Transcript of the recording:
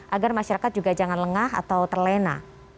agar masyarakat juga jangan lengah atau terlena